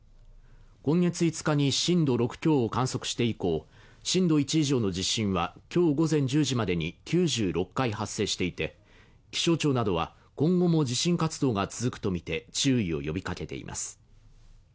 今月５日に震度６強を観測して以降、震度１以上の地震は、今日午前１０時までに９６回発生していて、気象庁などは今後も地震活動が続くとみて注意を呼びかけています。